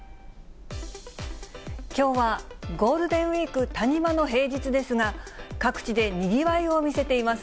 きょうはゴールデンウィーク谷間の平日ですが、各地でにぎわいを見せています。